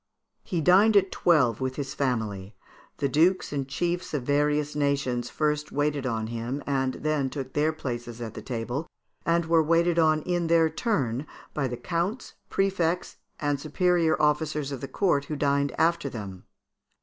He dined at twelve with his family; the dukes and chiefs of various nations first waited on him, and then took their places at the table, and were waited on in their turn by the counts, prefects, and superior officers of the court, who dined after them.